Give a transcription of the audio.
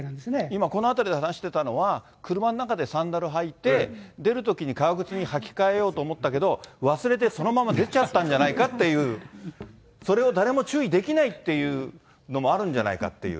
今、この辺りで話してたのは、車の中でサンダル履いて出るときに革靴に履き替えようと思ったけど、忘れてそのまま出ちゃったんじゃないかっていう、それを誰も注意できないっていうのもあるんじゃないかっていう。